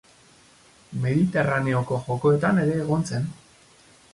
Mediterraneoko Jokoetan ere egon zen.